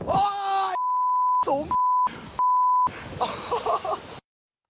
โอ้ยสูงปี๊ด